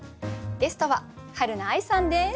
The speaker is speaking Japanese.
ゲストははるな愛さんです。